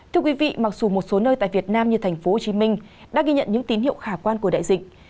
thưa quý vị mặc dù một số nơi tại việt nam như tp hcm đã ghi nhận những tín hiệu khả quan của đại dịch